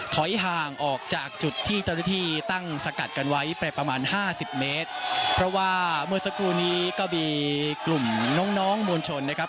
ถอยห่างออกจากจุดที่เจ้าหน้าที่ตั้งสกัดกันไว้ไปประมาณห้าสิบเมตรเพราะว่าเมื่อสักครู่นี้ก็มีกลุ่มน้องน้องมวลชนนะครับ